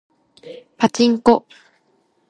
パチンコ